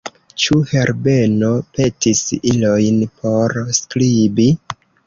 Ĉu Herbeno petis ilojn por skribi?